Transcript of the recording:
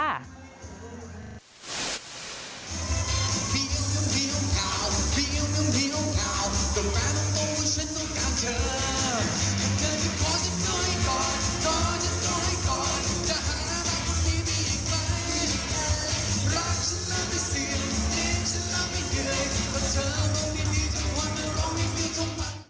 ดีกว่าเต็มตัวเหยื่อยไปเฉือบลงดินดีจังหวัดรองให้เต็มผมฟัน